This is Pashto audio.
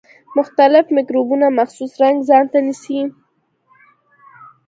مختلف مکروبونه مخصوص رنګ ځانته نیسي.